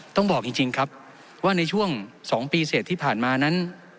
ต้องบอกจริงครับว่าในช่วง๒ปีเสร็จที่ผ่านมานั้น